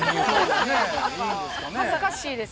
恥ずかしいです。